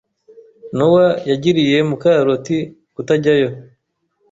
Nowa yagiriye Mukaroti kutajyayo.